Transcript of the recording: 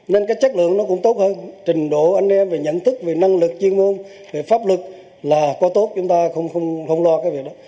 nên cái chất lượng nó cũng tốt hơn trình độ anh em về nhận thức về năng lực chuyên môn về pháp lực là có tốt chúng ta không lo cái việc đó